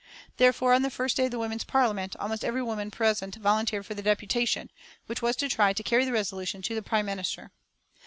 Therefore, on the first day of the Women's Parliament, almost every woman present volunteered for the deputation, which was to try to carry the resolution to the prime minister.